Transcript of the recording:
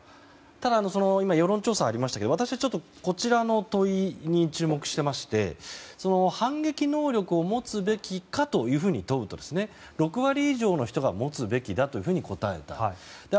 ただ、世論調査がありましたが私は、こちらの問いに注目していまして、反撃能力を持つべきかというふうに問うと６割以上の人が持つべきだと答えた。